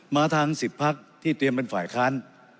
มาทาง๑๐พักที่เตรียมเป็นฝ่ายค้าน